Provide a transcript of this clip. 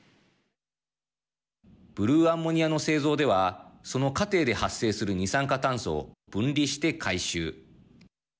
ブルーアンモニアの製造ではその過程で発生する二酸化炭素を分離して回収。